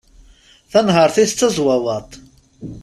Tanhert-is d tazwawaṭ.